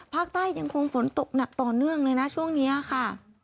ภาคใต้ยังคงฝนตกหนักต่อเนื่องเลยนะช่วงนี้ค่ะ